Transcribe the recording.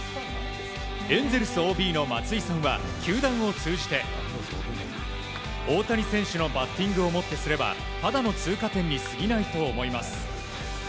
エンゼルスＯＢの松井さんは球団を通じて大谷選手のバッティングをもってすれば、ただの通過点にすぎないと思います。